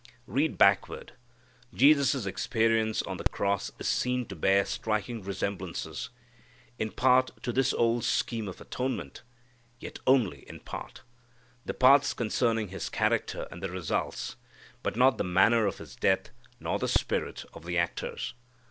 Read backward, Jesus' experience on the cross is seen to bear striking resemblances, in part, to this old scheme of atonement; yet only in part: the parts concerning His character and the results; but not the manner of his death, nor the spirit of the actors.